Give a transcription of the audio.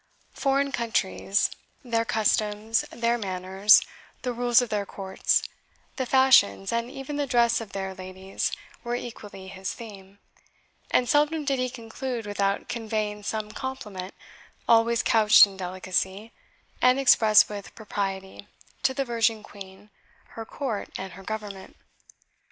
Foreign countries their customs, their manners, the rules of their courts the fashions, and even the dress of their ladies were equally his theme; and seldom did he conclude without conveying some compliment, always couched in delicacy, and expressed with propriety, to the Virgin Queen, her court, and her government.